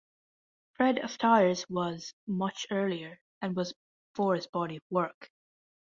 Fred Astaire's was much earlier, and was for his body of work.